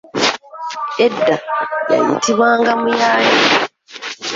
Edda yayitibwanga Muyaayu